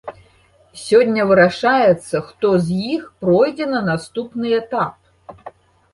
Сёння вырашаецца, хто з іх пройдзе на наступны этап.